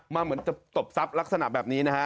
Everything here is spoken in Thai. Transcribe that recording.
เหมือนจะตบทรัพย์ลักษณะแบบนี้นะฮะ